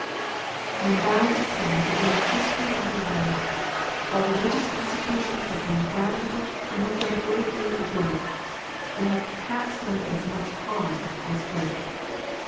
I am bound to say that in the history of the world, while religious institutions have been valuable and have done a great deal of good, they have perhaps done as much harm as good.